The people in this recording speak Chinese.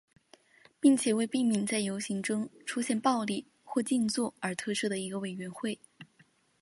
并且为避免在游行中出现暴力或静坐而特设了一个委员会。